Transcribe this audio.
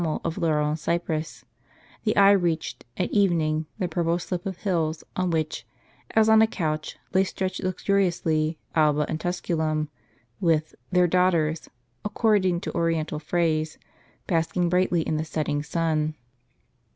^^^^ grccu cuamcl of laurcl and cyprcss, the eye reached, at evening, the purple slope of hills on which, as on a couch, lay stretched luxuriously Alba and Tus culum, with "their daughters," according to oriental phrase, w basking brightly in the setting sun.